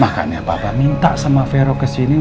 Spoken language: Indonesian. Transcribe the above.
makanya papa minta sama vero kesini